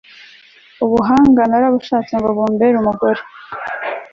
ubuhangaa narabushatse ngo bumbere umugore